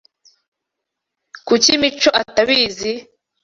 Kuki Mico atabizi?